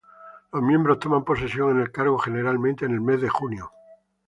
Los miembros toman posesión en el cargo generalmente en el mes de junio.